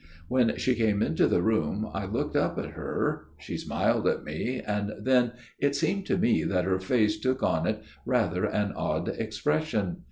" When she came into the room I looked up at her. ... She smiled at me, and then it seemed to me that her face took on it rather an odd expression.